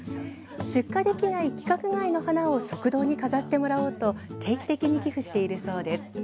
出荷できない規格外の花を食堂に飾ってもらおうと定期的に寄付しているそうです。